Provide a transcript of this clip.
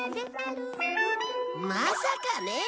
まさかね。